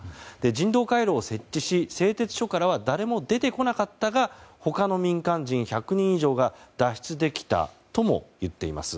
人道回廊を設置し製鉄所からは誰も出てこなかったが他の民間人１００人以上が脱出できたとも言っています。